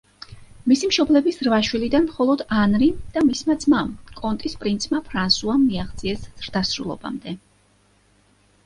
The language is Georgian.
მისი მშობლების რვა შვილიდან მხოლოდ ანრიმ და მისმა ძმამ, კონტის პრინცმა ფრანსუამ მიაღწიეს ზრდასრულობამდე.